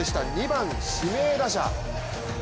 ２番・指名打者。